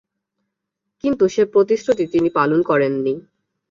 কিন্তু সে প্রতিশ্রুতি তিনি পালন করেন নি।